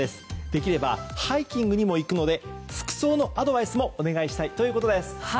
できればハイキングにも行くので服装のアドバイスもお願いしたいということです。